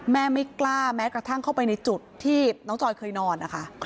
ไม่กล้าแม้กระทั่งเข้าไปในจุดที่น้องจอยเคยนอนนะคะ